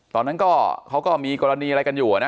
ตอนนั้นก็เขาก็มีกรณีอะไรกันอยู่นะ